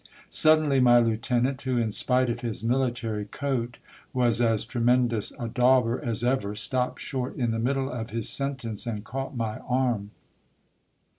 Suddenly my lieutenant, who, in spite of his military coat, was as tremendous a dauber as ever, stapped short in the middle of his sentence, and caught my arm.